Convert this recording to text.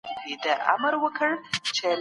ته راته ګران يې خو